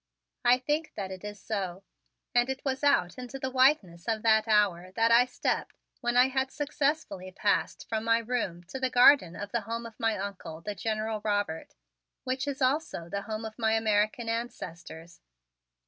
I think that it is so; and it was out into the whiteness of that hour that I stepped when I had successfully passed from my room to the garden of the home of my Uncle, the General Robert, which is also the home of my American ancestors.